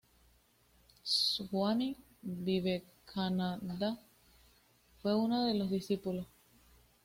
Swami Vivekananda fue uno de sus discípulos.